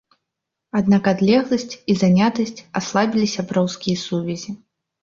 Аднак адлегласць і занятасць аслабілі сяброўскія сувязі.